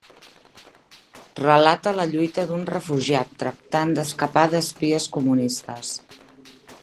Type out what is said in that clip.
Relata la lluita d'un refugiat tractant d'escapar d'espies comunistes.